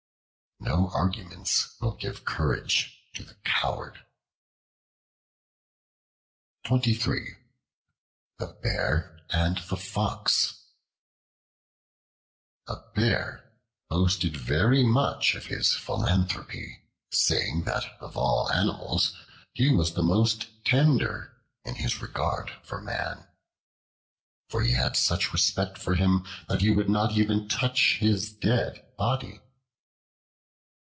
No arguments will give courage to the coward. The Bear and the Fox A BEAR boasted very much of his philanthropy, saying that of all animals he was the most tender in his regard for man, for he had such respect for him that he would not even touch his dead body.